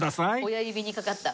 親指にかかった。